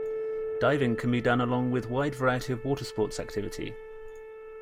Diving can be done along with wide variety of water sports activity.